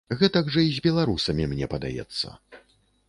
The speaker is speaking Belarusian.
Гэтак жа і з беларусамі, мне падаецца.